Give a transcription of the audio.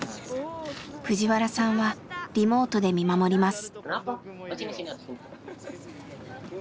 プジワラさんはリモートで見守ります。